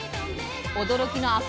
驚きのあ